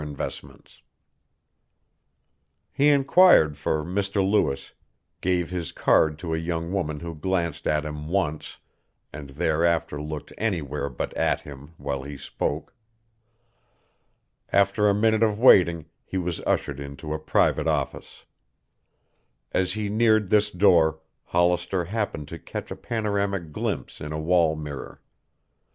INVESTMENTS He inquired for Mr. Lewis, gave his card to a young woman who glanced at him once and thereafter looked anywhere but at him while he spoke. After a minute of waiting he was ushered into a private office. As he neared this door, Hollister happened to catch a panoramic glimpse in a wall mirror.